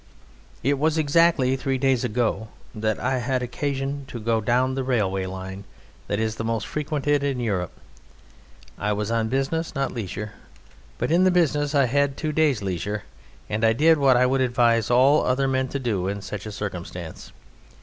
It was exactly three days ago that I had occasion to go down the railway line that is the most frequented in Europe: I was on business, not leisure, but in the business I had two days' leisure, and I did what I would advise all other men to do in such a circumstance.